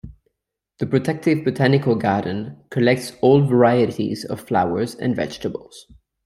The Protective Botanical Garden collects old varieties of flowers and vegetables.